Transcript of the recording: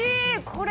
これ。